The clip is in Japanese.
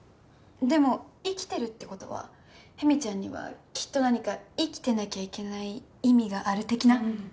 でも生きてるって事はヘミちゃんにはきっと何か生きてなきゃいけない意味がある的な？